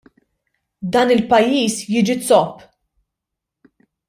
Dan il-pajjiż jiġi zopp!